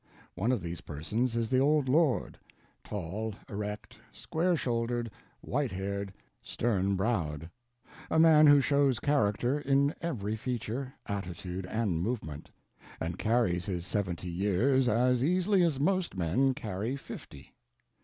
One of these persons is the old lord, tall, erect, square shouldered, white haired, stern browed, a man who shows character in every feature, attitude, and movement, and carries his seventy years as easily as most men carry fifty.